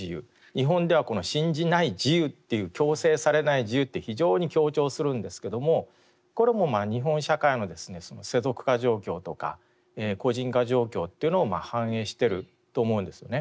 日本ではこの信じない自由っていう強制されない自由って非常に強調するんですけどもこれも日本社会の世俗化状況とか個人化状況というのを反映してると思うんですよね。